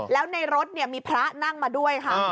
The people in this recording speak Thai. แล้วในรถมีพระนั่งมาด้วยค่ะ